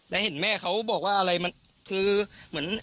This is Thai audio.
แล้วเห็นแม่เขาบอกว่าอะไรมันคือเหมือน